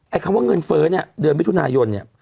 คำว่าเงินเฟ้อเนี่ยเดือนมิถุนายนเนี่ย